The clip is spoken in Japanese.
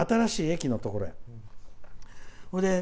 新しい駅のところへ。